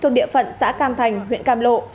thuộc địa phận xã cam thành huyện cam lộ